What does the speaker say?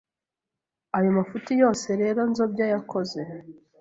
Ayo mafuti yose rero Nzobya yakoze